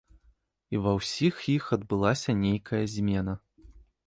І ў ва ўсіх іх адбылася нейкая змена.